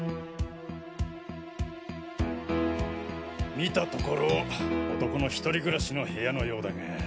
見たところ男の一人暮らしの部屋のようだが。